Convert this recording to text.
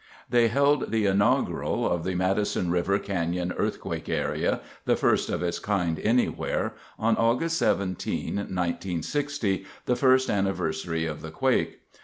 ] They held the inaugural of the Madison River Canyon Earthquake Area—the first of its kind anywhere—on August 17, 1960, the first anniversary of the quake.